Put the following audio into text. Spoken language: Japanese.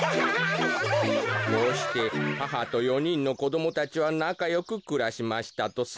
「こうしてははと４にんのこどもたちはなかよくくらしましたとさ。